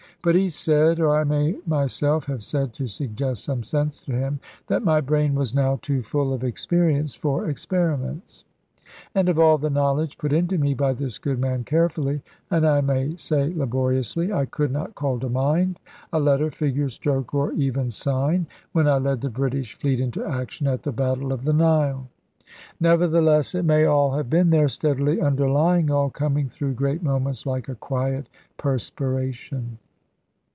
But he said (or I may myself have said, to suggest some sense to him) that my brain was now too full of experience for experiments. And of all the knowledge put into me by this good man carefully, and I may say laboriously, I could not call to mind a letter, figure, stroke, or even sign, when I led the British fleet into action, at the battle of the Nile. Nevertheless, it may all have been there, steadily underlying all, coming through great moments, like a quiet perspiration.